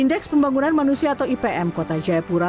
indeks pembangunan manusia atau ipm kota jayapura